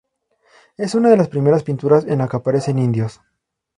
Es una de las primeras pinturas en la que aparecen indios.